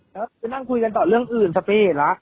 แล้วนั่งคุยกันต่อเรื่องอื่นสัปดาห์เหตุละ